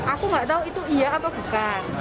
aku gak tau itu iya apa bukan